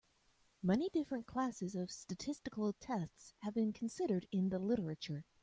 Many different classes of statistical tests have been considered in the literature.